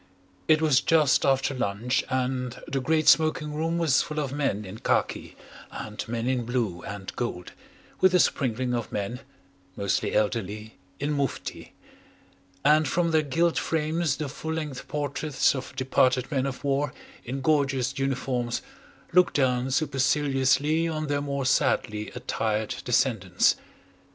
It was just after lunch and the great smoking room was full of men in khaki and men in blue and gold, with a sprinkling of men, mostly elderly, in mufti; and from their gilt frames the full length portraits of departed men of war in gorgeous uniforms looked down superciliously on their more sadly attired descendants.